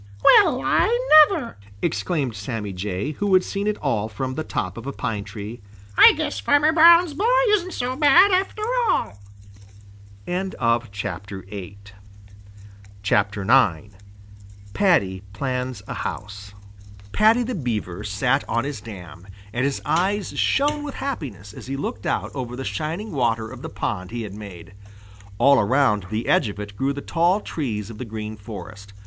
"Well, I never!" exclaimed Sammy Jay, who had seen it all from the top of a pine tree. "Well, I never! I guess Farmer Brown's boy isn't so bad, after all." IX PADDY PLANS A HOUSE Paddy the Beaver sat on his dam, and his eyes shone with happiness as he looked out over the shining water of the pond he had made. All around the edge of it grew the tall trees of the Green Forest.